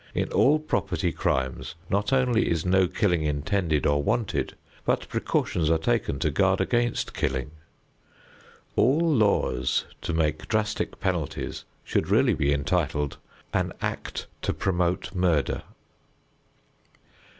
In all property crimes not only is no killing intended or wanted, but precautions are taken to guard against killing. All laws to make drastic penalties should really be entitled: "An Act to Promote Murder."